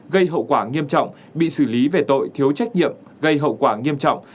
gây hậu quả nghiêm trọng bị xử lý về tội thiếu trách nhiệm gây hậu quả nghiêm trọng